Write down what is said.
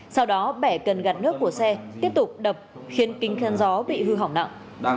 sau đó bẻ cần gạt nước của xe tiếp tục đập khiến kính khen gió bị hư hỏng nặng